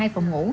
hai phòng ngủ